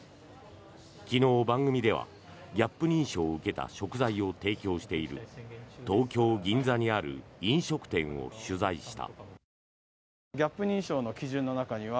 昨日、番組ではＧＡＰ認証を受けた食材を提供している東京・銀座にある飲食店を取材した。